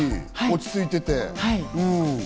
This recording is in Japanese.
落ち着いていて。